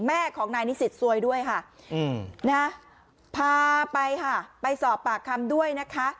แม่ของนายนิสิตซวยด้วยค่ะนะพาไปค่ะไปสอบปากคำด้วยนะคะ